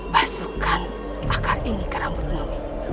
basuhkan akar ini ke rambut nuni